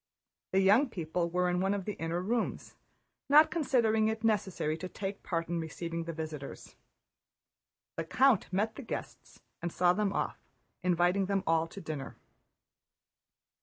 The young people were in one of the inner rooms, not considering it necessary to take part in receiving the visitors. The count met the guests and saw them off, inviting them all to dinner.